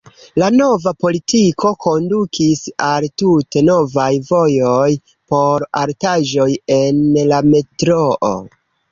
La nova politiko kondukis al tute novaj vojoj por artaĵoj en la metroo.